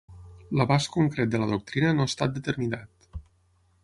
L'abast concret de la doctrina no ha estat determinat.